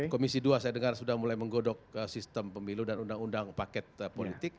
komisi dua saya dengar sudah mulai menggodok sistem pemilu dan undang undang paket politik